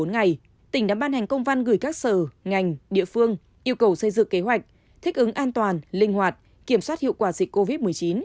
ngày một mươi năm tháng một mươi tỉnh đã ban hành công văn gửi các sở ngành địa phương yêu cầu xây dựng kế hoạch thích ứng an toàn linh hoạt kiểm soát hiệu quả dịch covid một mươi chín